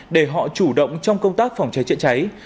để họ chủ động trong công tác phòng cháy chữa cháy